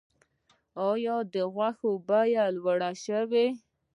آیا د غوښې بیه لوړه شوې؟